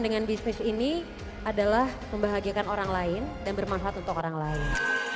dan bisnis ini adalah membahagiakan orang lain dan bermanfaat untuk orang lain